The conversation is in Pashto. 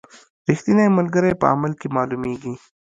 رښتینی ملګری په عمل کې معلومیږي.